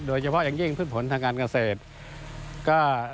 โดยเฉพาะอย่างยิ่งพืชผลทางการเกษตร